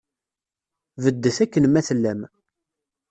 Beddet akken ma tellam.